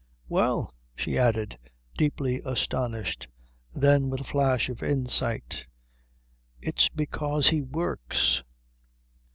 "Well," she added, deeply astonished. Then, with a flash of insight, "It's because he works."